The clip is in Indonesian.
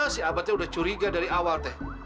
si abah sudah curiga dari awal